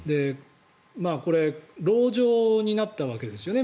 これ籠城になったわけですよね。